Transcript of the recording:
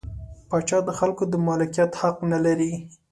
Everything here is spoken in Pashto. پاچا د خلکو د مالکیت حق نلري.